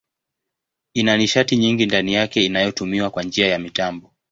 Ina nishati nyingi ndani yake inayotumiwa kwa njia ya mitambo.